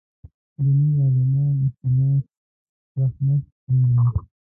دیني عالمان اختلاف رحمت بولي.